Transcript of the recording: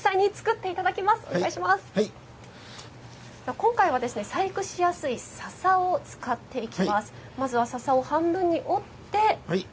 今回は細工しやすい笹を使っていきます。